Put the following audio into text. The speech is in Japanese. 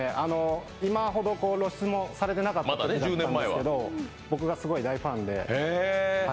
今ほど露出もされてなかったんですけど、僕がすごい大ファンで。